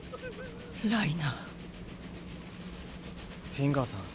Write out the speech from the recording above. フィンガーさん